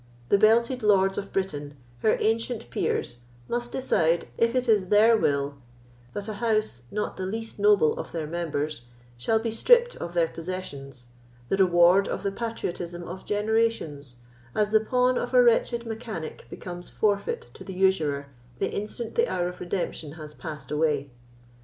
The belted lords of Britain, her ancient peers, must decide, if it is their will that a house, not the least noble of their members, shall be stripped of their possessions, the reward of the patriotism of generations, as the pawn of a wretched mechanic becomes forfeit to the usurer the instant the hour of redemption has passed away.